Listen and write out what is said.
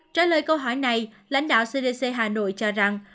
trả lời câu hỏi này lãnh đạo cdc hà nội cho rằng